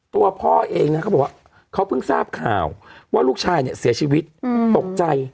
ตัวพ่อเองนะเขาบอกว่าเขาเพิ่งทราบข่าวว่าลูกชายเนี่ยเสียชีวิตตกใจ